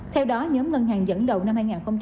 theo đó nhóm ngân hàng dẫn đầu năm hai nghìn hai mươi